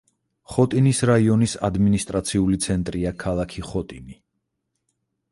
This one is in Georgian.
ხოტინის რაიონის ადმინისტრაციული ცენტრია ქალაქი ხოტინი.